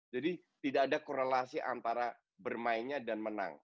jadi tidak ada korelasi antara bermainnya dan menang